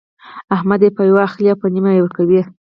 احمد يې په يوه اخلي او په نيمه يې ورکوي.